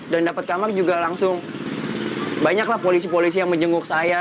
dan dapat kamar juga langsung banyak lah polisi polisi yang menjenguk saya